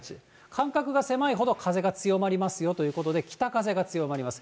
間隔が狭いほど風が強まりますよということで、北風が強まります。